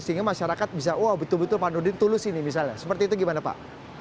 sehingga masyarakat bisa oh betul betul pak nudin tulus ini misalnya seperti itu gimana pak